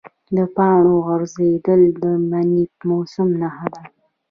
د پاڼو غورځېدل د مني موسم نښه ده.